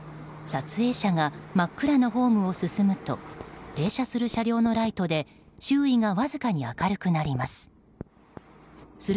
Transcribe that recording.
撮影者が真っ暗なホームを進むと停車する車両のライトで周囲がわずかに明るくなります。